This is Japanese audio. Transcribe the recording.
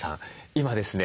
今ですね